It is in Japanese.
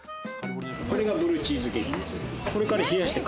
これがブルーチーズケーキです。